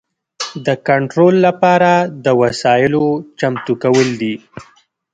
د کنټرول لپاره د وسایلو چمتو کول دي.